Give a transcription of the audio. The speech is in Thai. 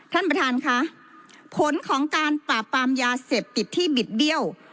ท่านประธานค่ะผลของการปราบปรามยาเสพติดที่บิดเบี้ยว